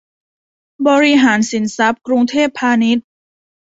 บริหารสินทรัพย์ กรุงเทพพาณิชย์